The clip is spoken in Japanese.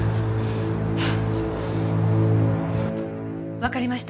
わかりました。